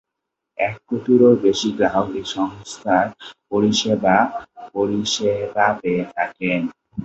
এক কোটিরও বেশি গ্রাহক এই সংস্থার পরিষেবা পেয়ে থাকেন।